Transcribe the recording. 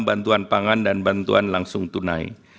bantuan pangan dan bantuan langsung tunai